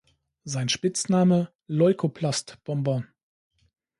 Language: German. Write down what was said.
Sein Spitzname: Leukoplast-Bomber.